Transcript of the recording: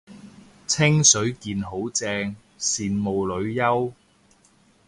清水健好正，羨慕女優